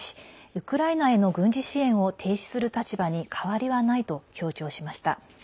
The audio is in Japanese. ウクライナへの軍事支援を停止する立場に変わりはないと強調しました。